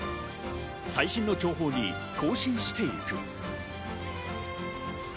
最新の情報に更新していく。